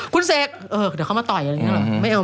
คุณเสกเดี๋ยวเขามาต่อยอะไรอย่างนี้หรอ